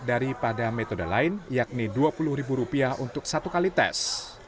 daripada metode lain yakni dua puluh ribu rupiah untuk satu kali tes